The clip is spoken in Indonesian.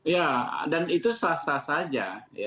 ya dan itu sah sah saja